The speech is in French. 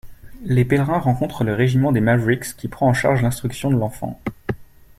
Les pèlerins rencontrent le régiment des Mavericks qui prend en charge l'instruction de l'enfant.